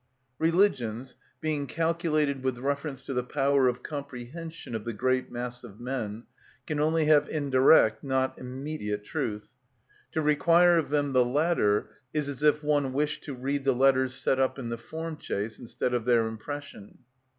Religions, being calculated with reference to the power of comprehension of the great mass of men, can only have indirect, not immediate truth. To require of them the latter is as if one wished to read the letters set up in the form chase, instead of their impression.